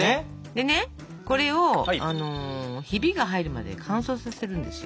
でねこれをヒビが入るまで乾燥させるんですよ。